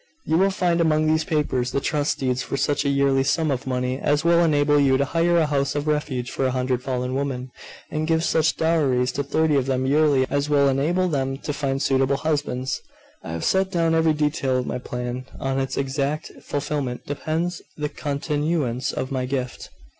You will find among these papers the trust deeds for such a yearly sum of money as will enable you to hire a house of refuge for a hundred fallen women, and give such dowries to thirty of them yearly as will enable them to find suitable husbands. I have set down every detail of my plan. On its exact fulfilment depends the continuance of my gift.